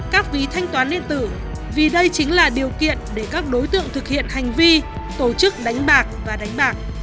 các ví thanh toán điện tử vì đây chính là điều kiện để các đối tượng thực hiện hành vi tổ chức đánh bạc và đánh bạc